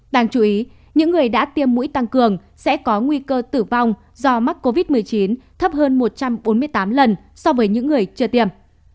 đáng chú ý những người đã tiêm mũi tăng cường sẽ có nguy cơ tử vong do mắc covid một mươi chín thấp hơn một trăm bốn mươi tám lần so với những người chưa tiêm